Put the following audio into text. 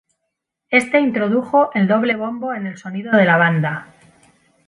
Éste introdujo el doble bombo en el sonido de la banda.